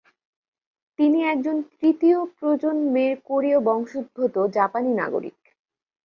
তিনি একজন তৃতীয় প্রজন্মের কোরীয় বংশোদ্ভূত জাপানি নাগরিক।